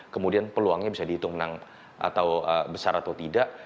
kemudian peluangnya bisa dihitung menang atau besar atau tidak